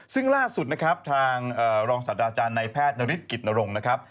ซึ่งล่าสุดนะครับทางรองศัตว์อาจารย์ในแพทย์นฤทธิกิจนรงค์นะครับ